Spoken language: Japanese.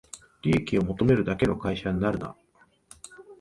利益を求めるだけの会社になるな